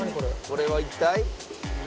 これは一体？